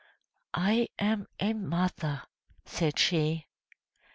"I am a mother," said she.